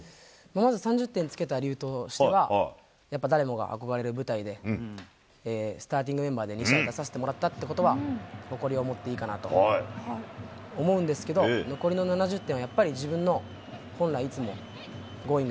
まず３０点つけた理由としては、やっぱ誰もが憧れる舞台で、スターティングメンバーで、２試合出させてもらったということは、誇りを持っていいかなと思うんですけど、残りの７０点は、やっぱり自分の本来いつも、Ｇｏｉｎｇ！